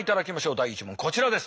第１問こちらです。